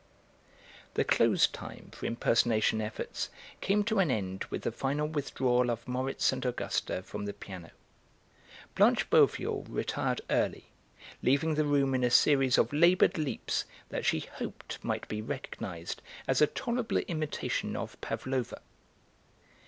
The close time for impersonation efforts came to an end with the final withdrawal of Moritz and Augusta from the piano. Blanche Boveal retired early, leaving the room in a series of laboured leaps that she hoped might be recognised as a tolerable imitation of Pavlova.